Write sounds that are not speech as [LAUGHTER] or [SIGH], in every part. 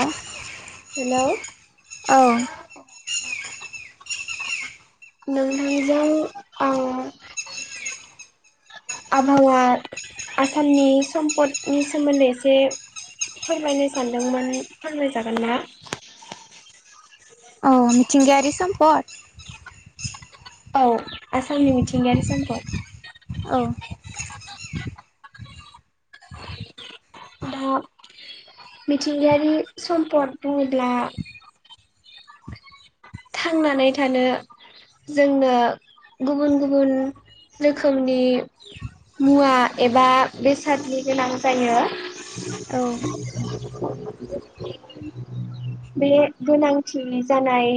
हेल' hello औ। नोंथांजों आं आबहावा आसामनि सम्पदनि सोमोन्दै एसे फोरमायनो सानदोंमोन फोरमायजागोन ना? औ मिथिंगियारि सम्पद? औ आसामनि मिथिंगायारि सम्पद। औ। दा मिथिंगायारि सम्पद बुंङोब्ला थांनानै थानो जोंनो गुबुन गुबुन रोखोमनि मुवा एबा बेसादनि गोनां जायो। [INAUDIBLE] औ बे गोनांथि जानाय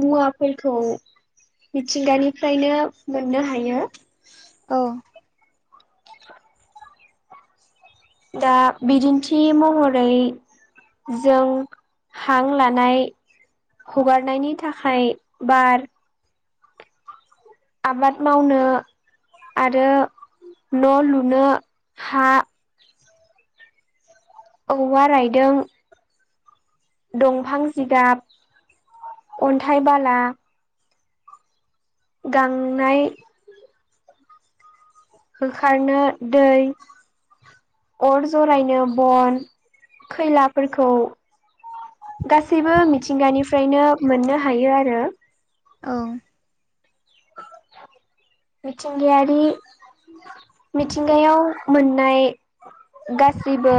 मुवाफोरखौ मिथिंगानिफ्रायनो मोननो हायो। औ। दा बिदिन्थि महरै जों हां लानाय। हगारनायनि थाखाय बार आबाद मावनो आरो न' लुनो हा औवा रायदों। दंफां जिगाब अन्थाइ बाला गांनाय होखारनो दै अर जरायनो बन खैलाफोरखौ गासैबो मिथिंगानिफ्रायनो मोननो हायो आरो। औ। मिथिंगायारि मिथिंगायाव मोननाय गासैबो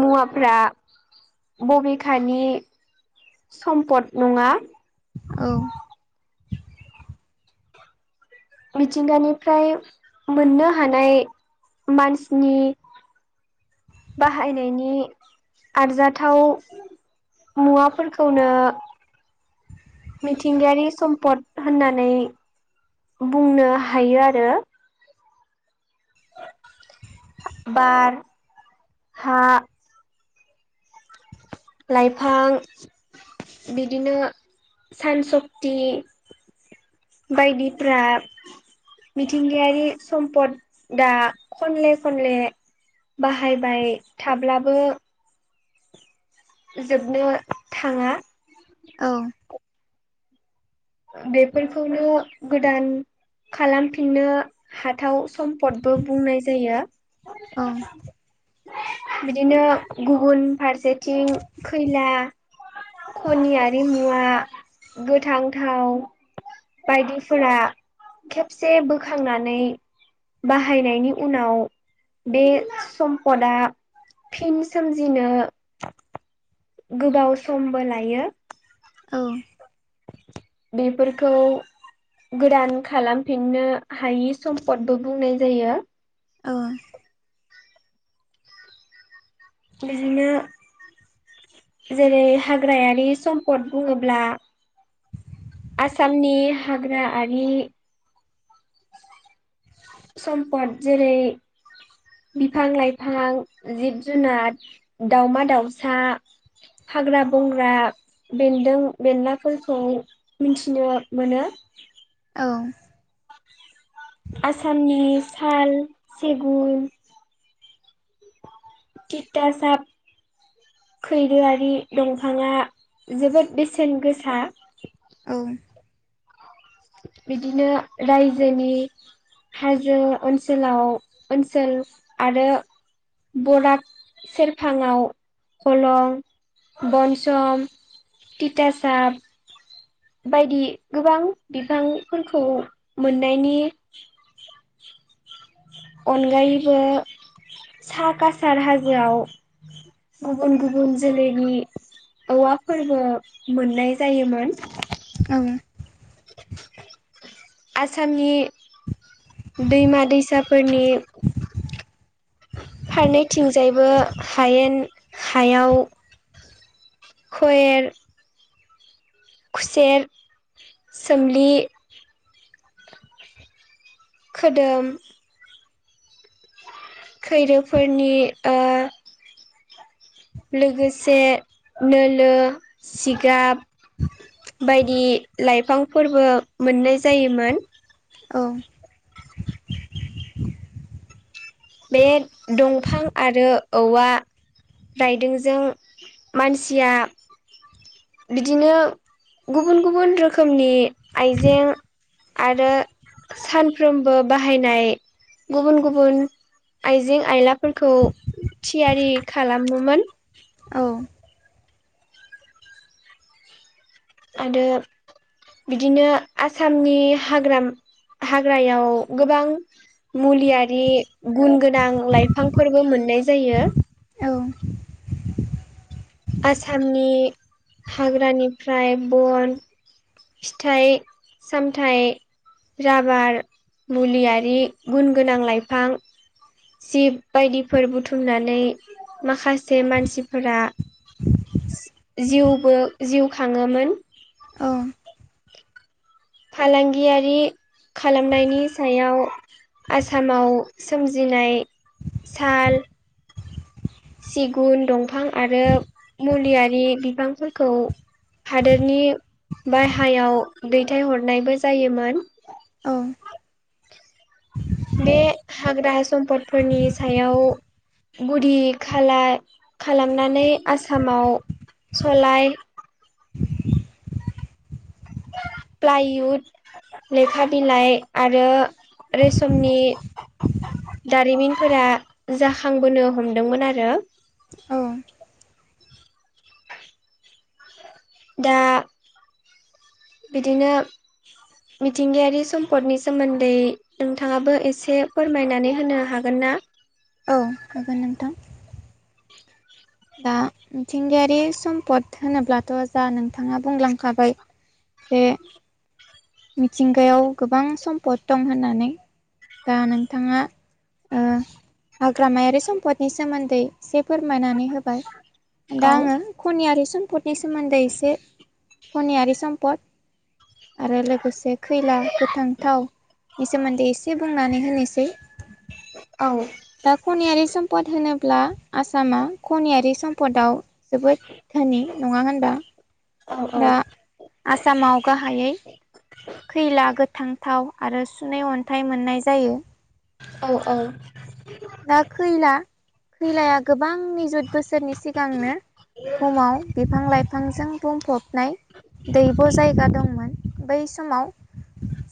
मुवाफ्रा बबेखानि सम्पद नंङा। औ‌। मिथिंगानिफ्राय मोननो हानाय मानसिनि बाहायनायनि आरजाथाव मुवाफोरखौनो मिथिंगायारि सम्पद होननानै बुंनो हायो आरो। बार हा लाइफां बिदिनो सान सक्ति बायदिफ्रा मिथिंगायारि सम्पद दा खनले खनले बाहायबाय थाब्लाबो जोबनो थाङा। औ। ओ बेफोरखौनो गोदान खालामफिननो हाथाव सम्पदबो बुंनाय जायो। औ। बिदिनो गुबुन फारसेथिं खैला खनियारि मुवा गोथां थाव बायदिफोरा खेबसे बोखांनानै बाहायनायनि उनाव बे सम्पदआ फिन सोमजिनो गोबाव समबो लायो। औ। बेफोरखौ गोदान खालामफिननो हायि सम्पदबो बुंनाय जायो। औ। बिदिनो जेरै हाग्रायारि सम्पद बुङोब्ला आसामनि हाग्राआारि सम्पद जेरै बिफां लाइफां जिब जुनार दावमा दाउसा हाग्रा बंग्रा बेन्दों बेनलाफोरखौ मिथिनो मोनो। औ। आसामनि साल सेगुन तितासाब खैरोआरि दंफाङा जोबोद बेसेन गोसा। [INAUDIBLE] बिदिनो रायजोनि हाजो ओनसोलाव ओनसोल आरो बराग सेरफाङआव खलं बनसम तितासाब बायदि गोबां बिफांफोरखौ मोननायनि [INAUDIBLE] अनगायैबो सा कासार हाजोआव गुबुन गुबुन जोलैनि औवा फोरबो मोननाय जायोमोन। औ। आसामनि दैमा दैसाफोरनि फारनैथिंजायबो हायेन हायाव खयेर खुसेर सोमलि खोदोम खैरोफोरनि ओ लोगोसे नोलो सिगाब बायदि लाइफांफोरबो मोननाय जायोमोन। औ। बे दंफां आरो औवा राइदोंजों मानसिया बिदिनो गुबुन गुबुन रोखोमनि आइजें। आरो सानफ्रोमबो बाहायनाय गुबुन गुबुन। आइजें आइलाफोरखौ थियारि खालामोमोन। औ आरो बिदिनो आसामनि हाग्राम हाग्रायाव गोबां मुलियारि गुन गोन नां लाइफांफोरबो मोननाय जायो। औ आसामनि हाग्रानिफ्राय बन फिथाइ सामथाइ राबार, मुलियारि गुन गोनां लाइफां, जिब बायदिफोर बुथुमनानै माखासे मानसिफोरा जिउबो जिउ खाङोमोन। औ फालांगियारि खालामनायनि सायाव आसामाव सोमजिनाय साल, सिगुन दंफां आरो मुलियारि बिफांफोरखौ हादोरनि बायह्रायाव दैथायहरनायबो जायोमोन। बे हाग्रा सम्पदफोरनि सायाव गुदि खाला-खालामनानै आसामाव सलाय, [UNINTELLIGIBLE] प्लाइउद, लेखा बिलाइ आरो रेसमनि दारिमिनफोरा जाखांबोनो हमदोंमोन आरो। औ दा बिदिनो मिथिंगायारि सम्पदनि सोमोन्दै नोंथाङाबो एसे फोरमायनानै होनो हागोन ना? औ हागोन नोंथां। दा मिथिंगायारि सम्पद होनोब्लाथ' जा नोंथाङा बुंलांखाबाय। बे मिथिंगायाव गोबां सम्पद दं होननानै दा नोंथाङा ओं हाग्रामायारि सम्पदनि सोमोन्दै एसे फोरमायनानै होबाय। औ दा आङो खनिआरि सम सम्पदनि सोमोन्दै एसे खनियारि सम्पद आरो लोगो खैला, गोथां थाव नि सोमोन्दै एसे बुंनानै होनोसै। दा खनियारि सम्पद होनो ब्ला आसामा खनियारि सम्पदाव जोबोद धोनि नङा होनबा? दा आसामाव गाहायै खैला, गोथां थाव, आरो सुनै अन्थाइ मोननाय जायो। औ औ दा खैला खैलाया गोबां निजुत बोसोरनि सिगांनो भुमाव बिफां लाइफांजों बुंफबनाय दैब' जायगा दंमोन। बै समाव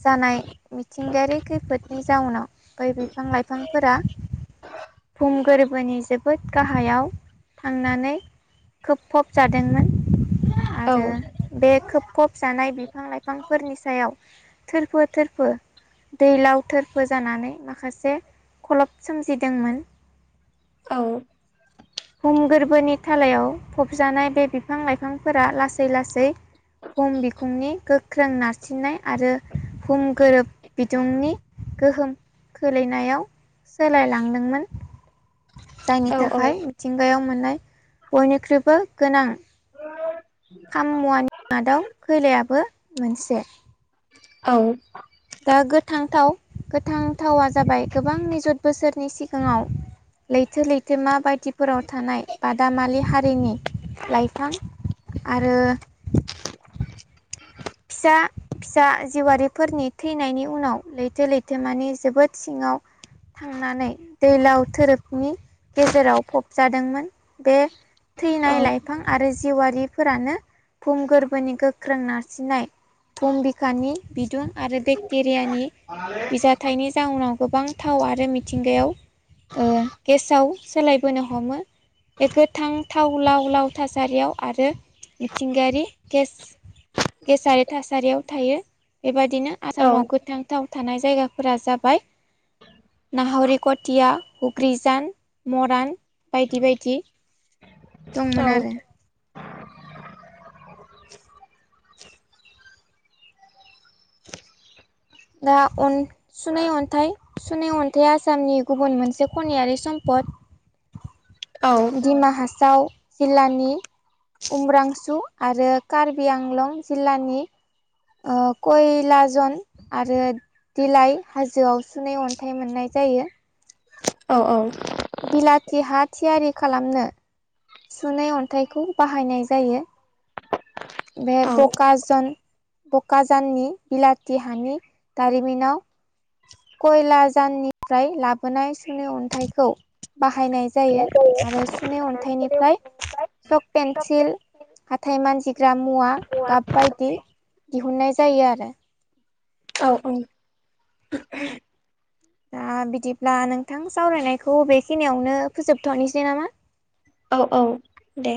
जानाय मिथिंगायारि खैफोदनि जाउनाव बै बिफां लाइफांफोरा भुम गोरबोनि जोबोद गाहायाव थांनानै खोबफब जादोंमोन। आरो बे खोबफब जानाय बिफां लाइफांफोरनि सायाव थोरफो थोरफो दैलाव थोरफो जानानै माखासे खलब सोमजिदोंमोन। औ। भुम गोरबोनि थालायाव फबजानाय बे बिफां लाइफांफोरा लासै लासै भुम बिखुंनि गो गोख्रों नारसिननाय आरो भुम गोरोब बिदुंनि गोहोम खोलैनायाव सोलायलांदोंमोन। जायनि थाखाय मिथिंगायाव मोननाय बयनिख्रुइबो गोनां खाम मुवानि मादाव खैलायाबो मोनसे। औ। दा गोथांथाव गोथांथावा जाबाय गोबां निजुत बोसोरनि सिगाङाव लैथो लैथोमा बायदिफोराव थानाय बादामालि हारिनि लाइफां आरो फिसा फिसा जिवारिफोरनि थैनायनि उनाव, लैथो लैथोो्मानि जोबोद सिं ङाव थांनानै, दैलाव धोरोबनि गेजेराव फबजादोंमोन। बे थैनाय लाइफां आरो जिवारिफोरानो भुुमगोरबोनि गोख्रों नार सिनाय, भुम बिखानि बिदुं आरो बेक्टेरियानि बिजाथायनि जाउनाव गोबां थाव आरो मिथिंगायाव ओ गेसाव सोलायबोनो हमो। बे गोथां थाव लाव लाव थासारियाव आरो मिथिंगायारि गेस गेसारि थासारियाव थायो। बेबादिनो आसामाव गोथां थाव थानाय जायगाफोरा जाबाय, नाहरिकटिया, हुग्रिजान, मरान बायदि बायदि दंमोन आरो। दा अन सुनाय अन्थाइ नं, सुनाय अन्थाइा आसामनि गुबुन मोनसे खनाययारि सम्पद। [UNINTELLIGIBLE] दिमा हासाव जिल्लानि उमरांसु आरो कार्बि आंलं जिल्लानि ओ कय लाजन आरो बिलाइ हाजोआव सिनाय अन्थाइ मोननाय जायो। औ औ। बिलाथि हा थियारि खालामनो सुनाय अन्थाइखौ बाहायनाय जायो। बे पकस जन बकाजाननि बिलाथि हानि दारिमिनाव कयला जाननिफ्राय लाबोनाय सोंनि अन्थाइखौ, बाह बाहायनाय जायो आरो सुनै अन्थाइनिफ्राय चक पेन्सिल हाथाय मानजिग्रा मुवा गाब बायदि दिहुननाय जायो आरो। औ दा बिदिब्ला नोंथां सावरायनायखौ बेखिनियावनो फोजोबथ'नोसै नामा। औ औ दे।